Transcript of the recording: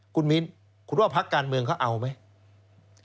คุณมิ้นคุณว่าพักการเมืองเขาเอาไหม